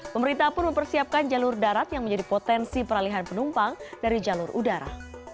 pemerintah pun mempersiapkan jalur darat yang menjadi potensi peralihan penumpang dari jalur udara